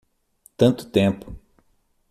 Tanto tempo